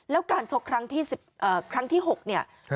แล้วการชกครั้งที่๖เนี่ย